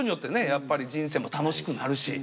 やっぱり人生も楽しくなるし。